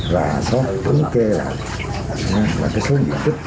và xuất tướng kê là cái số diện tích